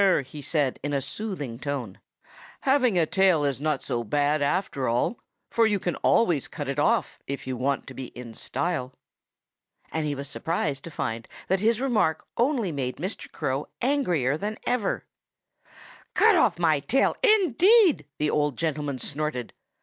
he said in a soothing tone. "Having a tail is not so bad, after all; for you can always cut it off, if you want to be in style." And he was surprised to find that his remark only made Mr. Crow angrier than ever. [Illustration: Old Mr. Crow Plays a Joke on Mr. Frog] "Cut off my tail, indeed!" the old gentleman snorted.